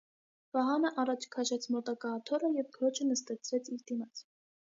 Վահանը առաջ քաշեց մոտակա աթոռը և քրոջը նստեցրեց իր դիմաց: